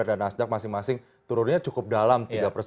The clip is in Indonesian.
dan nasdaq masing masing turunnya cukup dalam